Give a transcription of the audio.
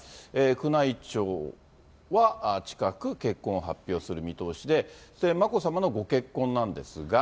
宮内庁は近く結婚を発表する見通しで、眞子さまのご結婚なんですが。